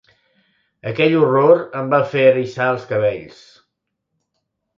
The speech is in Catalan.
Aquell horror em va fer eriçar els cabells.